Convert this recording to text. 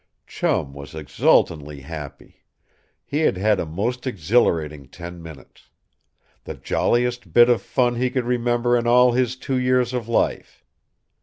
Chum was exultantly happy. He had had a most exhilarating ten minutes. The jolliest bit of fun he could remember in all his two years of life.